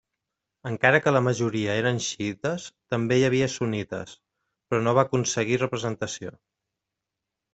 Encara que la majoria eren xiïtes també hi havia sunnites, però no va aconseguir representació.